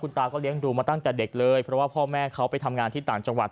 ตาก็เลี้ยงดูมาตั้งแต่เด็กเลยเพราะว่าพ่อแม่เขาไปทำงานที่ต่างจังหวัด